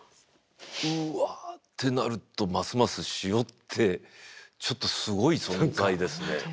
うわぁ。ってなるとますます塩ってちょっとすごい存在ですね。